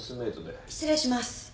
・失礼します。